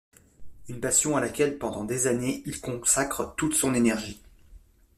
Une passion à laquelle, pendant des années, il consacre toute son énergie.